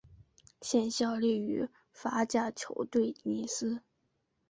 现效力于法甲球队尼斯。